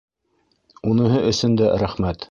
Уныһы өсөн дә рәхмәт.